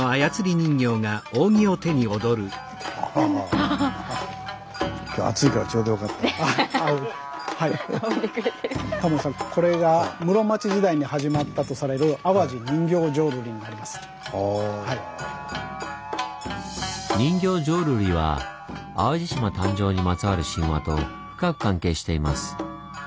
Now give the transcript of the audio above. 人形浄瑠璃は淡路島誕生にまつわる神話と深く関係しています。